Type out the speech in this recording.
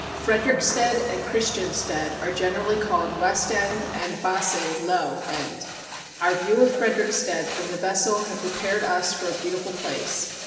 Frederiksted and Christiansted are generally called "West End" and "Basse (Low) End." Our view of Frederiksted from the vessel had prepared us for a beautiful place.